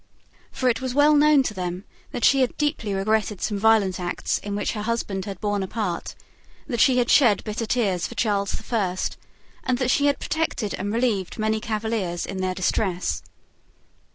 For it was well known to them that she had deeply regretted some violent acts in which her husband had borne a part, that she had shed bitter tears for Charles the First, and that she had protected and relieved many Cavaliers in their distress.